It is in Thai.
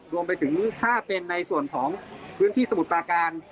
รวมไปถึงถ้าเป็นในส่วนของพื้นที่สมุทรปราการ